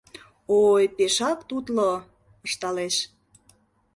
— Ой, пешак тутло... — ышталеш.